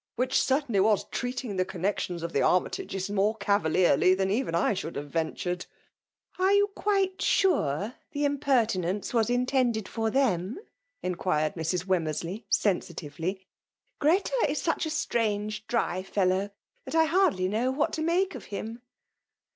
Which certainly was treating the connexions of the Armytages more cavalierly than even I should have ventured.*' *' Are you quite sure the impertinence was intended for them ?" inquired Mrs. Wemmers^ ley, seni^tively. Greta is such a strange, dry fellow, tliat I hardly know what fx> make of him